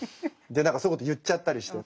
そういうことを言っちゃったりして。